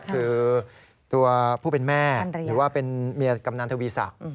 คือตัวผู้เป็นแม่หรือว่าเป็นเมียกำนันทวีศักดิ์